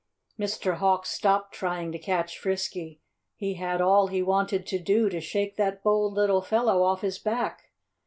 Mr. Hawk stopped trying to catch Frisky. He had all he wanted to do to shake that bold little fellow off his back.